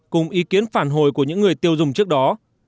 cùng ý kiến phản hồi của những người tiêu dùng trước đó